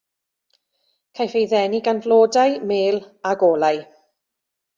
Caiff ei ddenu gan flodau, mêl a golau.